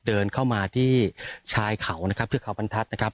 เดินเข้ามาที่ชายเขานะครับเทือกเขาบรรทัศน์นะครับ